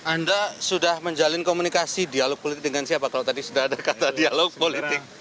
anda sudah menjalin komunikasi dialog politik dengan siapa kalau tadi sudah ada kata dialog politik